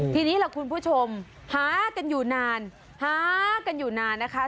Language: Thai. ทีนี้ล่ะคุณผู้ชมหากันอยู่นานหากันอยู่นานนะคะ